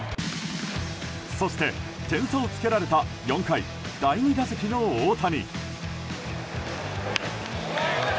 そして点差をつけられた４回第２打席の大谷。